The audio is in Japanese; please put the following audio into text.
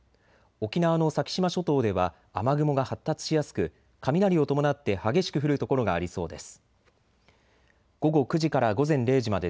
沖縄の先島諸島では雨雲が発達しやすく雷を伴って激しく降る所がありそうです。